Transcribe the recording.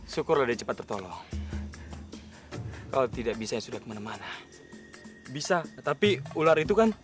syukur udah cepat tertolong kalau tidak bisa sudah kemana mana bisa tapi ular itu kan